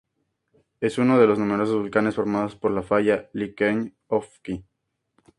Es uno de los numerosos volcanes formados por la falla Liquiñe-Ofqui.